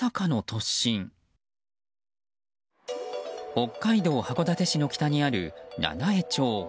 北海道函館市の北にある七飯町。